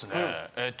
えっと